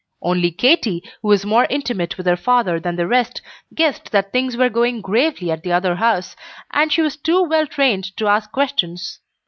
Only Katy, who was more intimate with her father than the rest, guessed that things were going gravely at the other house, and she was too well trained to ask questions.